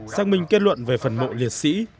xác minh kết luận về phần mộ liệt sĩ